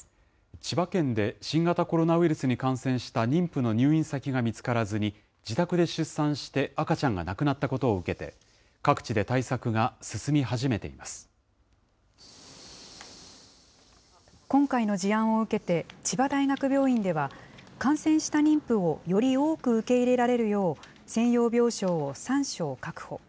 千葉県で新型コロナウイルスに感染した妊婦の入院先が見つからずに自宅で出産して赤ちゃんが亡くなったことを受けて、各地で今回の事案を受けて、千葉大学病院では、感染した妊婦をより多く受け入れられるよう、専用病床を３床確保。